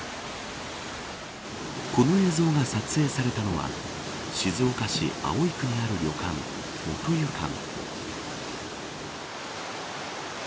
この映像が撮影されたのは静岡市葵区にある旅館、元湯館。